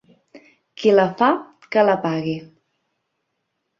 Qui la fa que la pagui.